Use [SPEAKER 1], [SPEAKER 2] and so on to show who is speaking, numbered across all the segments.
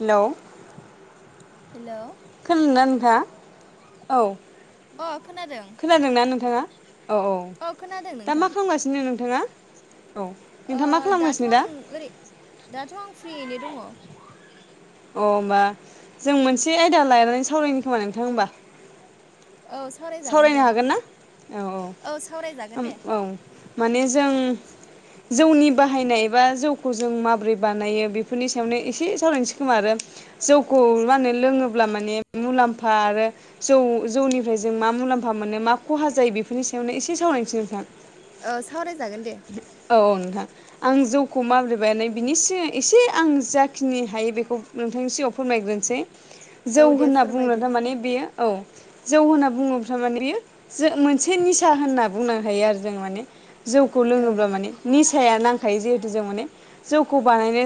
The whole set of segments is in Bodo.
[SPEAKER 1] हेल'
[SPEAKER 2] हेल'
[SPEAKER 1] खोनादोंना नोंथाङा औ
[SPEAKER 2] अ खोनादों
[SPEAKER 1] खोनादोंना नोंथांङा औ औ
[SPEAKER 2] अ खोनादों
[SPEAKER 1] दा
[SPEAKER 2] नोंथां
[SPEAKER 1] मा खालामगासिनो नोंथांङा
[SPEAKER 2] ओ दाथ' आं ओरै दाथ' आं फ्रियैनो दंङ'।
[SPEAKER 1] अ होमबा जों मोनसे आयदा लायनानै सावरायनो खोमा नोंथां ओमबा
[SPEAKER 2] औ साराय सावरायजागोन दे
[SPEAKER 1] सावरायनो हागोन ना औ औ
[SPEAKER 2] सावरायजागोन
[SPEAKER 1] उम
[SPEAKER 2] दे
[SPEAKER 1] औ माने जों जौनि बाहायनाय एबा जौखौ जों माबोरै बानायो बेफोरनि सायावनो एसे सावरायनोसै खोमा आरो जौखौ मा होनो लोङोब्ला माने मुलाम्फा आरो जौ जौनिफ्राय जों मा मुलाम्फा मोनो मा खहा जायो बेफोरनि सायावनो एसे सावरायनोसै नोंथां
[SPEAKER 2] औ सावरायजागोन दे
[SPEAKER 1] औ नोंथां आं जौखौ माबोरै बानायो बिनि एसे आं जाखिनि हायो बेखौ नोंथांनि सिगाङाव फोरमायग्रोनोसै
[SPEAKER 2] औ
[SPEAKER 1] जौ
[SPEAKER 2] दे
[SPEAKER 1] होनना बुंङो
[SPEAKER 2] फोरमायदो
[SPEAKER 1] थारमाने बेयो औ जौ होनना बुङोब्ला माने बेयो मोनसे निसा होनना बुंनो हायो आरो जो माने जौखौ
[SPEAKER 2] औ
[SPEAKER 1] लोङोब्ला माने निसाया नांखायो जिहेथु जों माने जौखौ बानायनो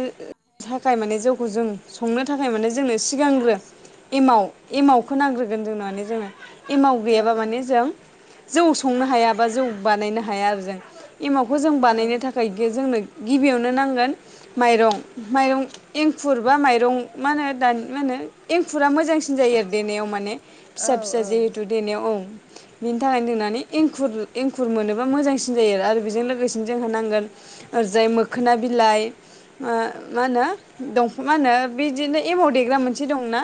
[SPEAKER 1] थाखाय माने जौखौ जों संनो थाखाय माने जोंनो सिगांग्रो एमाव एमाव खौ नांग्रोगोन जोंनो माने जोङो एमाव
[SPEAKER 2] औ
[SPEAKER 1] गैयाबा माने जों जौ संनो हाया बा जौ बानायनो हाया आरो जों एमावखौ जों
[SPEAKER 2] औ
[SPEAKER 1] बानायनो थाखाय जोंनो गिबियावनो नांगोन माइरं माइरं एंखुर बा माइरं मा होनो दानि मा होनो एंखुरा मोजांसिन जायो आरो देनायाव माने
[SPEAKER 2] औ
[SPEAKER 1] फिसा फिसा जिहेथु औ बिनि थाखायनो देनानै एंखुर एंखुर मोनोबा मोजांसिन जायो आरो बेजों लोगोसेनो जोंहा नांगोन ओरजाय मो खोना बिलाइ मा होनो दंफां मा होनो बिदिनो एमाव देग्रा मोनसे दंना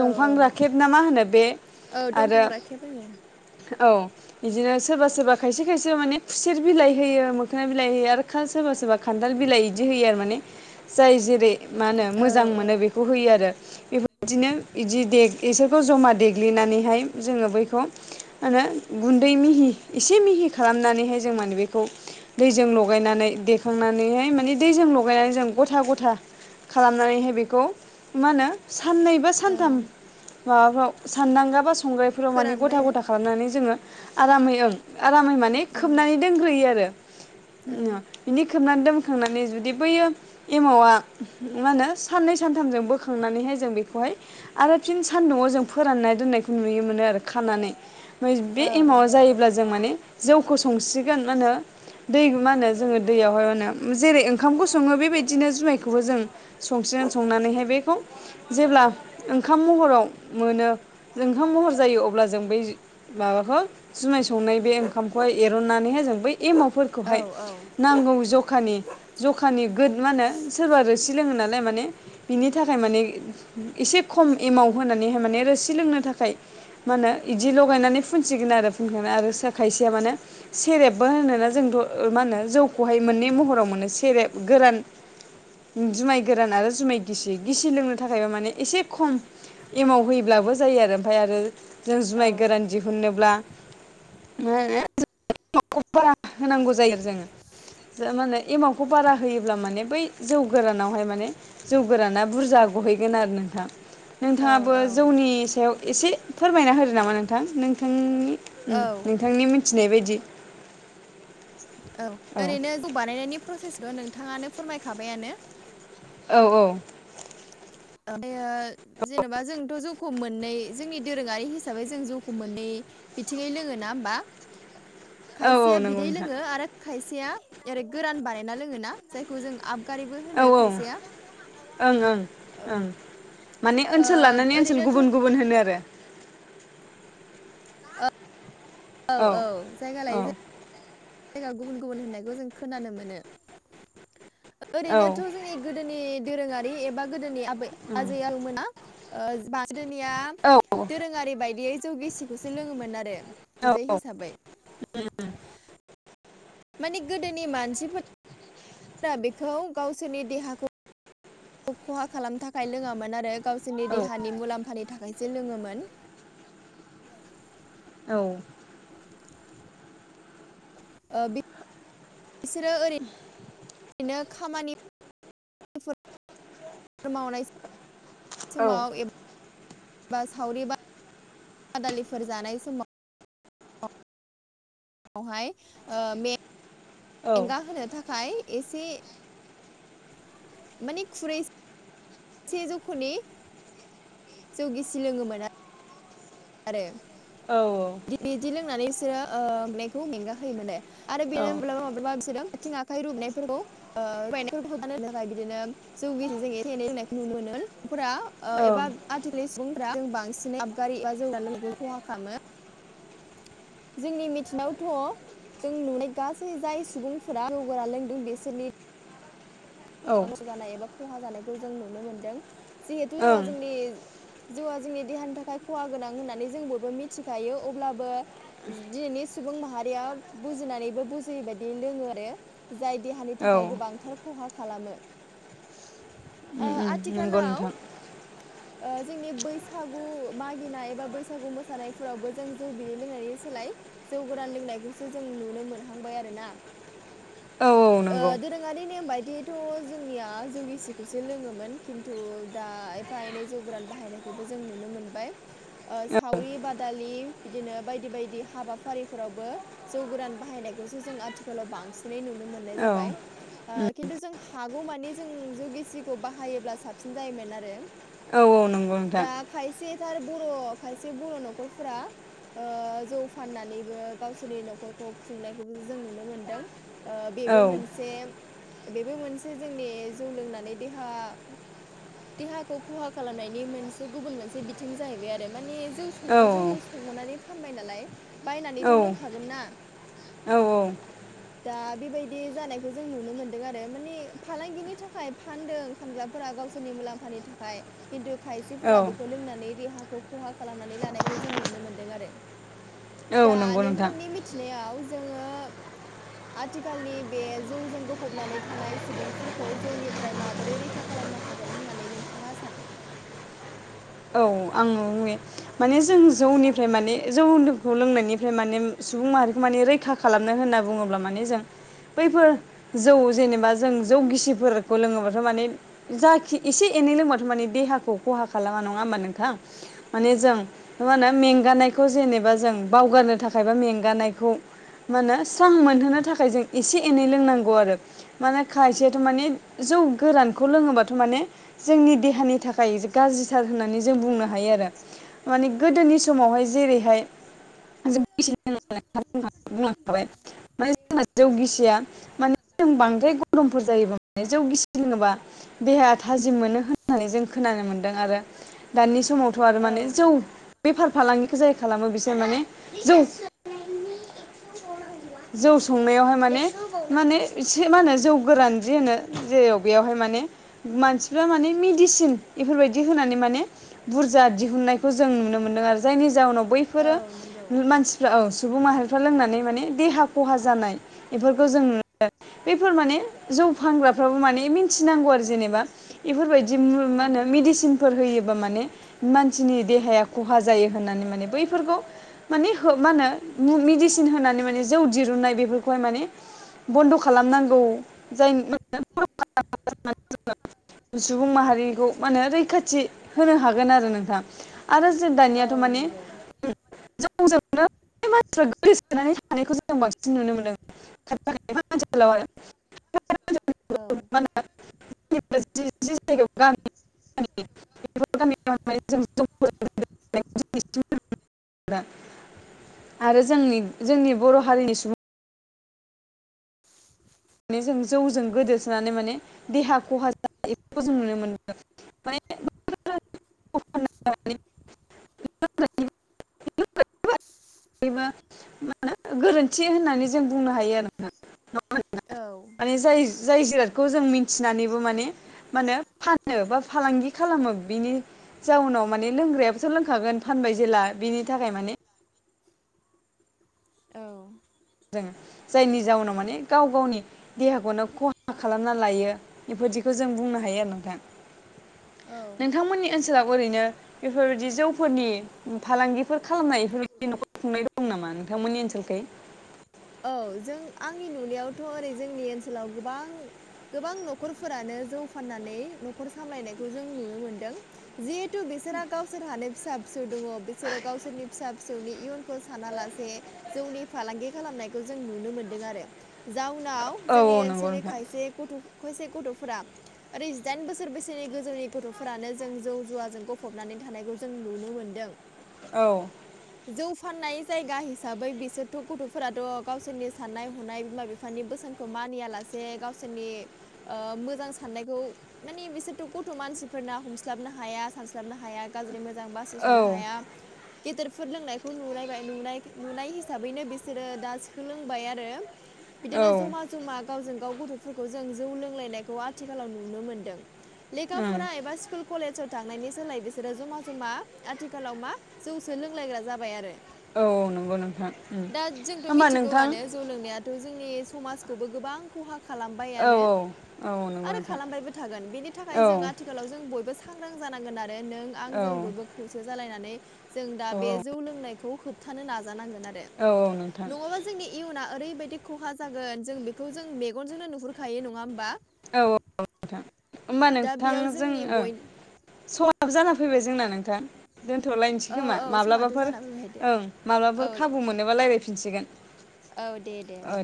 [SPEAKER 2] औ
[SPEAKER 1] दंफां
[SPEAKER 2] औ
[SPEAKER 1] राखेब ना मा होनो बे
[SPEAKER 2] औ दंफां
[SPEAKER 1] आरो
[SPEAKER 2] राखे होनो
[SPEAKER 1] औ बिदिनो सोरबा सोरबा खायसे खायसे माने खुसेर बिलाइ होयो मोखोना बिलाइ होयो आरो सोरबा सोरबा खान्थाल बिलाइ बिदि होयो आरो माने जाय जेरै मा होनो
[SPEAKER 2] औ
[SPEAKER 1] मोजां
[SPEAKER 2] औ
[SPEAKER 1] मोनो बेखौ होयो आरो बे बिदिनो बिदि देग इसोरखौ जमा देग दुग्लिनानैहाय जोङो बैखौ मा होनो गुन्दै मिहि एसे मिहि खालामनानैहाय जों माने बेखौ दैजों लगायनानै देखांनानैहाय माने दैजों लगायनानै जों गथा गथा खालामनानैहाय बेखौ मा होनो साननै बा
[SPEAKER 2] औ
[SPEAKER 1] सानथाम माबाफ्राव सानदांगा बा संग्रायफोराव माने
[SPEAKER 2] फोरानबाय
[SPEAKER 1] गथा
[SPEAKER 2] आरो
[SPEAKER 1] गथा खालामनानै जोङो आरामै ओं आरामै माने खोबनानै दोनग्रोयो आरो
[SPEAKER 2] औ
[SPEAKER 1] ओ बिनि खोबनानै दोनखांनानै जुदि बैयो एमावा मा होनो साननै सानथामजों बोखांनानैहाय जों बेखौहाय आरो फिन सान दङ जों फोराननाय दोननायखौ नुय मोनो आरो खानानै बे
[SPEAKER 2] औ
[SPEAKER 1] एमावआव जायोब्ला जों माने जौखौ संसिगोन मा होनो दै मा होनो जोङो दैयावहाय अ जेरै ओंखामखौ सङो बेबायदिनो जुमायखौबो जों संसिगोन संनानैहाय बेखौ जेब्ला ओंखाम महराव मोनो जों ओंखाम महर जायो अब्ला जों बै माबाखौ जुमाय संनाय बे ओंखामखौहाय एरननानैहाय जों बै
[SPEAKER 2] औ
[SPEAKER 1] एमावफोरखौहाय नांगौ ज जखानि जखानि गोद मा होनो सोरबा रोसि लोंङो नालाय माने बिनि थाखाय माने एसे खम एमाउन्ट होनानै माने रोसि लोंनो थाखाय मानो इदि लगायनानै फुनसिगोन आरो फुनखांना खायसेया मानो सेरेब मा होनोना जोंथ' मा होनो जौखौहाय मोननै महराव मोनो सेरेब गोरान जुमाय गोरान आरो जुमाय गिसि गिसि लोंनो थाखायबो माने एसे खम एमाव होयोब्लाबो जायो आरो ओमफफ्राय आरो जों जुमाय गोरान दिहुन्नोब्ला खौ बारा [unintelligible] होनांगौ जायो जोंङो ज माने एमावखौ बारा होयोब्ला माने बै जौ गोरानावहाय माने जौ गोराना बुरजा गहैगोन आरो नोंथां
[SPEAKER 2] औ
[SPEAKER 1] नोंथाङाबो जौनि सायाव एसे फोरमायना होदो नामा नोंथां नोंथांनि
[SPEAKER 2] औ
[SPEAKER 1] नोंथांनि मिथिनाय बायदि
[SPEAKER 2] औ ओरैनो जौ बानायनायनि प्रसेसखौ नोंथाङानो फोरमायखाबायानो
[SPEAKER 1] औ औ
[SPEAKER 2] ओ जेनेबा जोंथ' ज खौ मोननै जोंनि दोरोङारि हिसाबै जों जौखौ मोननै बिथिङै लोङो ना होमबा?
[SPEAKER 1] [inaudible]
[SPEAKER 2] खायसेया
[SPEAKER 1] नंगौ
[SPEAKER 2] बिदै
[SPEAKER 1] नोंथां
[SPEAKER 2] लोंङो आरो खायसेया ओरै गोरान बानायना लोङोना जायखौ जों आबगारिबो
[SPEAKER 1] औ
[SPEAKER 2] होनो
[SPEAKER 1] औ
[SPEAKER 2] खायसेया
[SPEAKER 1] ओं ओं
[SPEAKER 2] ओ
[SPEAKER 1] ओं माने ओनसोल लानानै ओनसोल
[SPEAKER 2] ओरैनोथ'
[SPEAKER 1] गुबुन गुबुन होनो आरो
[SPEAKER 2] [unintelligible] औ औ औ जायगा
[SPEAKER 1] औ
[SPEAKER 2] लायो जायो जायगा गुबुन गुबुन होननायखौ जों खोनानो मोनो।
[SPEAKER 1] औ
[SPEAKER 2] ओरैनोथ' जोंनि गोदोनि दोरोङारि एबा गोदोनि आबै आजै आ मोना बदोनिया
[SPEAKER 1] औ
[SPEAKER 2] दोरोङारि बायदियै जौ गिसिखौसो लोङोमोन आरो
[SPEAKER 1] औ
[SPEAKER 2] बिदै हिसाबै
[SPEAKER 1] [unintelligible]
[SPEAKER 2] मानि गोदोनि मानसिफोर बेखौ गावसोरनि देहाखौ खौ खहा खालामनो थाखाय लोङामोन आरो गावसोरनि देहानि मुलाम्फानि थाखायसो लोङोमोन [inaudible]
[SPEAKER 1] औ
[SPEAKER 2] [inaudible] ओ बि बिसोरो ओरै बिदिनो खामानि मावनाय
[SPEAKER 1] औ
[SPEAKER 2] समाव एबा [unintelligible] बा सावरि बा बादालिफोर जानाय समाव आवहाय
[SPEAKER 1] औ
[SPEAKER 2] मेंगा होनो थाखाय एसे माने खुरैसे से जौख'नि जौ गिसि लोङोमोन आरोे
[SPEAKER 1] औ औ
[SPEAKER 2] बिदि लोंनानै बिसोरो ओ मेखौ मेंगा होयोमोनो आरो
[SPEAKER 1] औ
[SPEAKER 2] बेनो माब्लाबा माब्लाबा बिसोरो आथिं आखाइ रुबायनायफोरखौ ओ रुवायनायफोरखौ बान थाखाय बिदिनो जौ गिसिजों एसे एनाय जोंनायखौ नुनो मोनो नफोरा एबा आथिखालनि सुबुंफ्रा जों बांसिनै आबगारि एबा जौगानाय लोंनायखौ खहा खालामो जोंनि मिथिनायावथ' जों नुनाय गासै जाय सुबुंफोरा जौ गोरान लोंदों बिसोरनि
[SPEAKER 1] औ ओं
[SPEAKER 2] नांसौ जानाय एबा खहा जानायखौ जों नुनो मोनदों जिहेथु जौवा जोंनि जौआ जोंनि देहानि थाखाय खहा गोनां होननानै जों बयबो मिथिखायो अब्लाबो दिनैनि सुबुं माहारिया बुजिनानैबो बुजियै बायदि लोङो आरो जाय देहानि
[SPEAKER 1] औ
[SPEAKER 2] थाखाय
[SPEAKER 1] उम
[SPEAKER 2] गोबांथार खहा खालामो ओ आथि
[SPEAKER 1] उम नंगौ
[SPEAKER 2] आथिखालाव
[SPEAKER 1] नोंथां
[SPEAKER 2] जोंनि बैसागु मागिनाय एबा बैसागु मोसानायफोरावबो जों जों जौ बिै लोंनानै सोलाय जौ गोरान लोंनायखौसो जों नुनो मोनहांबाय आरो ना
[SPEAKER 1] औ औ नंगौ
[SPEAKER 2] दोरोङारि नेम बायदि थ' जोंनिया जौ गिसिखौसो लोङोमोन खिन्थु दा एफा एनै जौ गोरान बाहायनायखौ बेखौ जों नुनो मोनबाय ओ
[SPEAKER 1] औ
[SPEAKER 2] सावरि बादालि बिदिनो बायदि बायदि हाबाफारिफोरावबो जौ गोरान बाहायनायखौसो जों आथिखालाव बांसिनै नुनो मोननाय जाबाय
[SPEAKER 1] औ
[SPEAKER 2] खिन्थु जों हागौमानिे जों जाै गेसिखौ बाहायोब्ला साबसिन जायोमोन आरो
[SPEAKER 1] औ औ नंगौ नोंथां
[SPEAKER 2] खायसे थार बर' खायसे बर' न'खरफोरा जौ फाननानैबो गावसोरनि न'खरखौ खुंनायखौबो जों नुनो मोनदों
[SPEAKER 1] औ
[SPEAKER 2] बेबो मोनसे बेबो मोनसे जोंनि जौ लोंनानै देहा देहाखौ खहा खालामनायनि मोनसे गुबुन मोनसे बिथिं जाहैबाय आरो माने जौ
[SPEAKER 1] औ
[SPEAKER 2] संबा जौखौ संनानै फानबाय नालाय बायनानैथ' लोंखागोन ना
[SPEAKER 1] औ औ
[SPEAKER 2] दा बेबायदि जानायखौ जों नुनो मोन्दों आरो माने फालांगिनि थाखाय फानदों फानग्राफोरा गावसोरनि मुलाम्फानि थाखाय खिन्थु खायसेफोरा
[SPEAKER 1] औ
[SPEAKER 2] बेखौ लोंनानै रेहाखौ खहा खालामनानै लानायखौ जों नुनो मोनदों आरो
[SPEAKER 1] औ
[SPEAKER 2] दा
[SPEAKER 1] नंगौ नोंथां
[SPEAKER 2] नोंथांनि थिनायाव जोङो आथिखालनि बे जौजों गफबनानै थानाय सुबुंफोरखौ जौनिफ्राय माबोरै रैखा खालामनो हागोन होननानै नोंथाङा सानो
[SPEAKER 1] औ आङोयो माने जों जौनिफ्राय माने जौखौ लोंनायनिफ्राय माने सुबुं माहारिखौ माने रैखा खालामनो होनना बुङोब्ला माने जों बैफोर जौ जेनेबा जों जौ गिसिफोरखौ लोङोबाथ' माने जाखि इसे एनै लोंबाथ' माने देहाखौ खहा खालामा नङा नङा ओमबा नोंथां माने जों मा होनो मेंगानायखौ जेनेबा जों बावगारनो थाखाय बा मेंगानायखौ मा होनो स्रां मोनहोनो थाखाय जों एसे एनै लोंनांगौ आरो माने खायसेयाथ' माने जौ गोरानखौ लोङोबाथ' माने जोंनि देहानि थाखाय खाय गाज्रिथार होननानै जों बुंनो हायो आरो माने गोदोनि समावहाय जेरैहाय जों [unintelligible] बुंलांखाबाय माने जोंना जौ गिसिया माने जों बांद्राय गरमफोर जायोबा जौ गिसि लोङोबा देहाया थाजिम मोनो होननानै जों खोनानो मोन्दों आरो दानि समावथ' आरो
[SPEAKER 2] औ
[SPEAKER 1] माने जौ बेफार फालांगिखौ जाय खालामो बिसोर माने जौ जौ संनायावहाय माने माने एसे मा होनो जौ गोरान जि होनो जे बेयावहाय माने मानसिफ्रा माने मिदिसिन इफोरबायदि होनानै मान माने बुरजा दिहुननायखौ जों नुनो मोनदों आरो जायनि जाउनाव बैफोरो
[SPEAKER 2] औ नंगौ
[SPEAKER 1] [unintelligible] मानसिफ्रा औ सुबुं माहारिफ्रा लोंनानै माने देहा खहा जानाय इफोरखौ जों नुनो [unintelligible] बेफोर माने जौ फानग्राफ्राबो माने मिन्थिनांगौ आरो जेनेबा इफोरबायदि मा
[SPEAKER 2] उम
[SPEAKER 1] माहोनो मिदिसिन फोर होयोबा माने मानसिनि देहाया ख'हा जायो होननानै माने बैफोरखौ माने हो मा होनो मु मिदिस सिन होनानै माने जौ दिरुननाय बेफोरखौहाय माने बनद' खालामनां गौ जायन [unintelligible] [unintelligible] सुबुं माहारिनिखौ मा होनो रैखाथि होनो हागोन आरो नोंथां आरो जों
[SPEAKER 2] औ
[SPEAKER 1] दानियाथ' माने
[SPEAKER 2] नंगौ
[SPEAKER 1] [unintelligible] गोलैसोनानै थानायखौ जों बांसिन नुनो
[SPEAKER 2] औ
[SPEAKER 1] मोनदों। [unintelligible]
[SPEAKER 2] [unintelligible]
[SPEAKER 1] [unintelligible] [unintelligible] आरो जोंनि जोंनि बर' हारिनि सुबुं माने जों जौजों गोदोसोनानै माने देहा खहा [unintelligible] बेफोरखौ जों नुनो मोनो माने [unintelligible] [unintelligible]
[SPEAKER 2] [inaudible]
[SPEAKER 1] निबो गोरोन्थि होननानै जों बुंनो हायो आरो नोंथां [unintelligible]
[SPEAKER 2] औ
[SPEAKER 1] जाय जाय जिरादखौ जों मिन्थिनानैबो माने मा होनो फानो बा फालांगि खालामो बिनि जाउनाव माने लोंग्रायाबोथ' लोंखागोन फानबाय जेला बिनि थाखाय माने
[SPEAKER 2] औ
[SPEAKER 1] जों जायनि जाउनाव माने गाव गावनि देहाखौनो खहा खालामना लायो इफोरदिखौ जों बुंनो हायो आरो नोंथां
[SPEAKER 2] औ
[SPEAKER 1] नोंथांमोननि ओनसोलावबो ओरैनो बेफोरबायदि जौफोरनि उम फालांगिफोर खालामनाय इफोरबायदि न'खर खुंनाय दं नामा नोंथांमोननि ओनसोलखै?
[SPEAKER 2] औ जों आंनि नुनायावथ' ओरै जोंनि ओनसोलाव गोबां गोबां न'खरफोरानो जौ फाननानै न'खर सामलायनायखौ जों नुनो मोनदों। जिहेतु बिसोरहा गावसोर हानो फिसा फिसौ दङ बिसोरो गावसोरनि फिसा फिसौनि इयुन खौ सानालासे जौनि फालांगि खालामनायखौ जों नुनो मोनदों आरो जाउनाव
[SPEAKER 1] औ
[SPEAKER 2] जोंनि
[SPEAKER 1] नंगौ
[SPEAKER 2] ओनसोलनि
[SPEAKER 1] नोंथां
[SPEAKER 2] खायसे गथ' खयसे गथ'फोरा ओरै जिदाइन बोसोर बैसोनि गोजौनि गथ'फोरानो जों जौ जुवाजों गफबनानै थानायखौ जों नुनो मोन्दों।
[SPEAKER 1] औ
[SPEAKER 2] जौ फाननाय जायगा हिसाबै बिसोरथ' गथ'फोराथ' गावसोरनि साननाय हनाय बिमा बिफानि बोसोनखौ मानियालासे गावसोरनि ओ मोजां साननायखौ माने बिसोरथ' गथ' मानसिफोरना हमस्लाबनो हाया सानस्लाबनो हाया गाज्रि मोजां
[SPEAKER 1] औ
[SPEAKER 2] बासिस'नो हाया गेदेरफोर लोंनायखौ नुनायबाय नुनाय नुनाय हिसाबैनो बेस सोरो दा सोलोंबाय आरो बिदिनो
[SPEAKER 1] ओं औ
[SPEAKER 2] जमा ज जमा गावजों गाव गथ'फोरखौ जों जौ लोंलायनायखौ आथिखालाव नुनो मोनदों। लेखा फरा एबा स्कुल कलेजाव थांनायनि सोलायै बिसोरो जमा जमा आथिखालाव मा जौसो लोंलायग्रा जाबाय आरो।
[SPEAKER 1] औ नोंगौ नोंथां। उम
[SPEAKER 2] दा जोंथ'
[SPEAKER 1] होमबा नोंथां
[SPEAKER 2] मिथिगौआनो जौ लोंनायाथ' जोंनि समाजखौबो गोबां खहा
[SPEAKER 1] औ
[SPEAKER 2] खालामबायानो
[SPEAKER 1] औ नंगौ
[SPEAKER 2] आरो
[SPEAKER 1] नोंथां
[SPEAKER 2] खालामबायबो थागोन बेनि
[SPEAKER 1] औ औ
[SPEAKER 2] थाखाय जों आथि खालाव जों बयबो सांग्रां जानांगोन आरो नों आं
[SPEAKER 1] औ
[SPEAKER 2] जों बयबो खौसे जालायनानै जों दा
[SPEAKER 1] औ
[SPEAKER 2] बे जौ लोंनायखौ होबथानो नाजानांगोन आरो।
[SPEAKER 1] औ औ नोंथां
[SPEAKER 2] नङाबा जोंनि इयुना ओरैबायदि खहा जागोन जों बेखौ जों मेगनजोंनो नुहुरखायो नङा होमबा?
[SPEAKER 1] औ औ नोंथां होमबा
[SPEAKER 2] दा बेयाव
[SPEAKER 1] नोंथांजों
[SPEAKER 2] जोंनि
[SPEAKER 1] जों औ
[SPEAKER 2] बय
[SPEAKER 1] सहाब जाना फैबाय जोंना नोंथां दोन्थ'लायनोसै
[SPEAKER 2] औ
[SPEAKER 1] खोमा
[SPEAKER 2] औ समाथ'
[SPEAKER 1] माब्लाबाफोर
[SPEAKER 2] जाना फैबाय दे
[SPEAKER 1] ओं
[SPEAKER 2] औ
[SPEAKER 1] माब्लाफोर खाबु मोनोबा रायज्लायफिनसिगोन।
[SPEAKER 2] औ दे दे दे